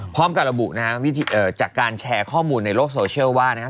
พร้อมกับระบุนะฮะจากการแชร์ข้อมูลในโลกโซเชียลว่านะครับ